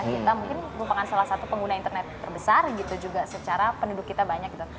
kita mungkin merupakan salah satu pengguna internet terbesar gitu juga secara penduduk kita banyak gitu